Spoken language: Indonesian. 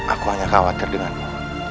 aku hanya khawatir denganmu